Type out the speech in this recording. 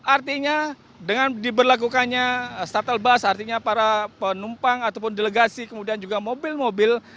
artinya dengan diberlakukannya shuttle bus artinya para penumpang ataupun delegasi kemudian juga mobil mobil